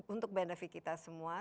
untuk benefit kita semua